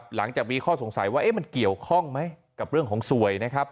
หลังจากมีข้อสงสัยว่ามันเกี่ยวข้องไหมกับเรื่องของสวยนะครับ